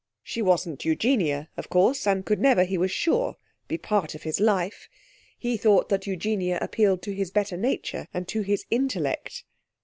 She wasn't Eugenia, of course, and could never, he was sure, be part of his life. He thought that Eugenia appealed to his better nature and to his intellect.